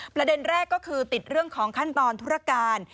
ประเด็นแรกก็คือติดเรื่องของขั้นตอนธุรการ